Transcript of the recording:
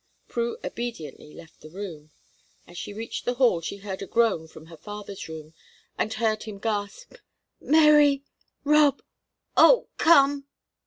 Prue, obediently, left the room. As she reached the hall she heard a groan from her father's room, and heard him gasp: "Mary, Rob oh, come!"